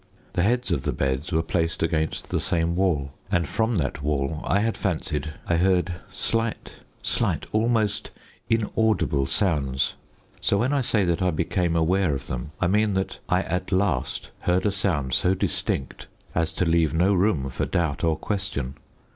The heads of the beds were placed against the same wall; and from that wall I had fancied I heard slight, slight, almost inaudible sounds. So when I say that I became aware of them I mean that I at last heard a sound so distinct as to leave no room for doubt or question.